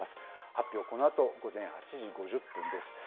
発表、このあと午前８時５０分です。